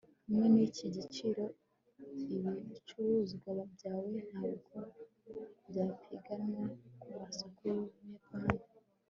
hamwe niki giciro, ibicuruzwa byawe ntabwo byapiganwa kumasoko yubuyapani